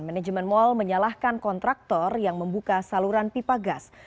manajemen mal menyalahkan kontraktor yang membuka saluran pipa gas